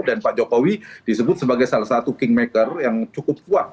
dan pak jokowi disebut sebagai salah satu kingmaker yang cukup kuat